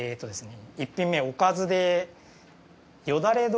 １品目はおかずで。